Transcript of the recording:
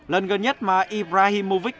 lần gần nhất mà ibrahimovic